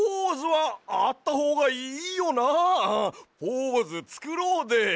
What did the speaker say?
ポーズつくろうで！